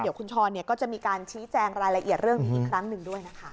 เดี๋ยวคุณช้อนก็จะมีการชี้แจงรายละเอียดเรื่องนี้อีกครั้งหนึ่งด้วยนะคะ